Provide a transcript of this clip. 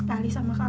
ya pikir kamu paham